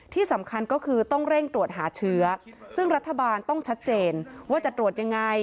ที่สำคัญก็คือต้องเร่งตรวจหาเชื้อซึ่งรัฐบาลต้องชัดเจนว่าจะตรวจยังไง